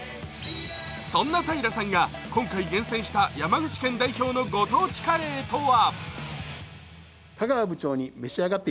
そんな平さんが今回厳選した山口県代表のご当地カレーとは？